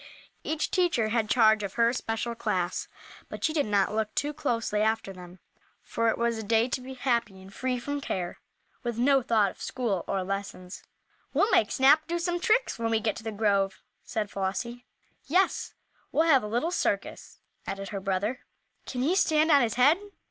Each teacher had charge of her special class, but she did not look too closely after them, for it was a day to be happy and free from care, with no thought of school or lessons. "We'll make Snap do some tricks when we get to the grove," said Flossie. "Yes, we'll have a little circus," added her brother. "Can he stand on his head?"